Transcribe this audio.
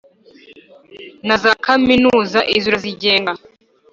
Na za kaminuza izo urazigenga